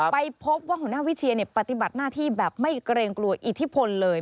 ไปพบว่าหัวหน้าวิเชียปฏิบัติหน้าที่แบบไม่เกรงกลัวอิทธิพลเลย